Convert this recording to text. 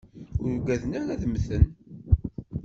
Ur uggaden ara ad mten.